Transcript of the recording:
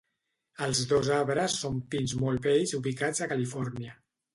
Els dos arbres són pins molt vells ubicats a Califòrnia.